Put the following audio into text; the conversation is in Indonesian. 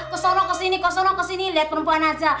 kesono kesini kesono kesini liat perempuan aja